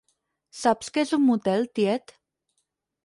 ¿Saps què és un motel, tiet?